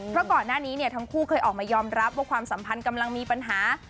เพราะก่อนหน้านี้ทั้งคู่เคยออกมายอมรับว่าความสัมพันธ์กำลังมีปัญหา